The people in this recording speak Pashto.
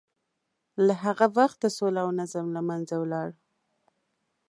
له هغه وخته سوله او نظم له منځه ولاړ.